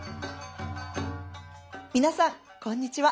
皆さんこんにちは。